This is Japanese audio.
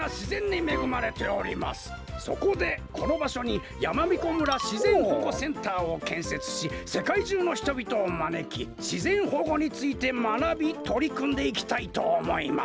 そこでこのばしょにやまびこ村しぜんほごセンターをけんせつしせかいじゅうのひとびとをまねきしぜんほごについてまなびとりくんでいきたいとおもいます。